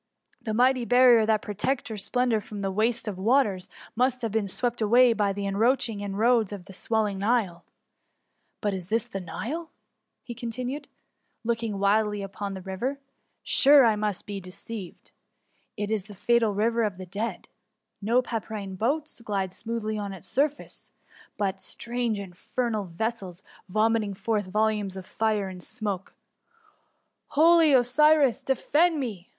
The mighty barrier that protected her splendour from the waste of waters, must have been swept away by the encroaching in roads of the swelling Nile. But is this the NUe?*^ continued he, looking wildly upon the river ;sure I must be deceived. It is the fatal river of the dead. No pdpyrine boats glide smoothly on its surface ; but strange, in fernal vessels, vomiting forth volumes of fire and smoke. Holy Osiris, defend me